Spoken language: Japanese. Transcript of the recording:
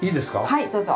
はいどうぞ。